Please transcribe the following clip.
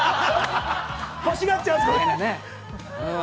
◆欲しがっちゃうよね。